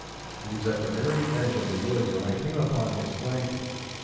He was at the very edge of the wood before I came upon his flank.